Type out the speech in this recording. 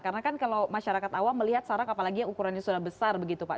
karena kan kalau masyarakat awam melihat sarang apalagi yang ukurannya sudah besar begitu pak cok